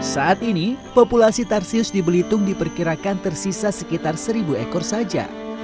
saat ini populasi tarsius di belitung diperkirakan tersisa sekitar seribu ekor saja